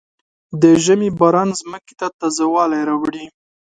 د ژمي باران ځمکې ته تازه والی راوړي.